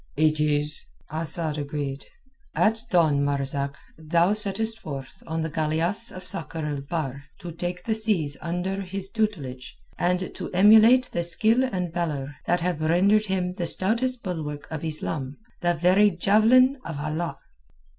"It is," Asad agreed. "At dawn, Marzak, thou settest forth upon the galeasse of Sakr el Bahr to take the seas under his tutelage and to emulate the skill and valour that have rendered him the stoutest bulwark of Islam, the very javelin of Allah."